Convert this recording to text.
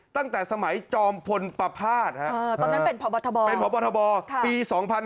ตั้งแต่สมัยจอมพลประพาทตอนนั้นเป็นพบเป็นพบทบปี๒๕๕๙